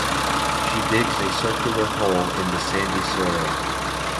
She digs a circular hole in the sandy soil.